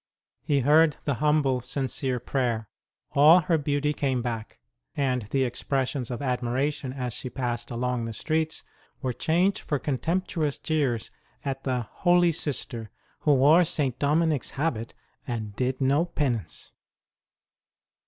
He heard the humble, sincere prayer. All her beauty came back ; and the expressions of admiration as she passed along the streets were changed for contemptuous jeers at the holy Sister who wore St. Dominic s habit and did no penance